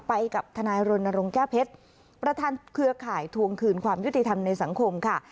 ไปกับทนายรณรงค์แก้วเพชรประธานเครือข่ายทวงคืนความยุติธรรมในสังคมค่ะ